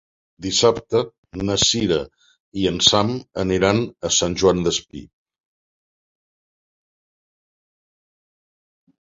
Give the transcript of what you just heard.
Dissabte na Sira i en Sam aniran a Sant Joan Despí.